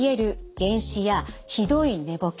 幻視やひどい寝ぼけ